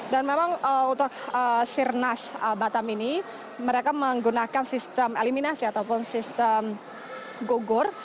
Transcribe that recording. dan memang untuk sirnas batam ini mereka menggunakan sistem eliminasi ataupun sistem gugur